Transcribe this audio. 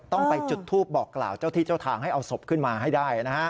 ต้องไปจุดทูปบอกกล่าวเจ้าที่เจ้าทางให้เอาศพขึ้นมาให้ได้นะฮะ